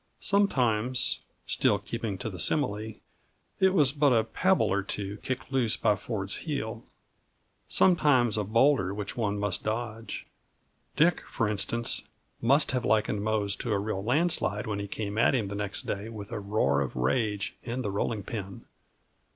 Sometimes still keeping to the simile it was but a pebble or two kicked loose by Ford's heel; sometimes a bowlder which one must dodge. Dick, for instance, must have likened Mose to a real landslide when he came at him the next day, with a roar of rage and the rolling pin.